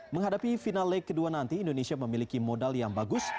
menghadapi final leg kedua nanti indonesia memiliki modal yang bagus